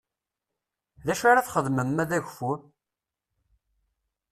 D acu ara txedmem ma d ageffur?